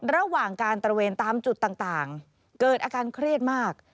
ระหว่างการตระเวนตามจุดต่างเกิดอาการเครียดมาก